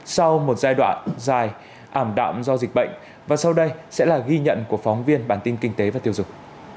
sau một giai đoạn dài ảm đạm do dịch bệnh và sau đây sẽ là ghi nhận của phóng viên bản tin kinh tế và tiêu dùng